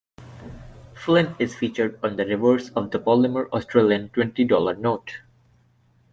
Flynn is featured on the reverse of the polymer Australian twenty-dollar note.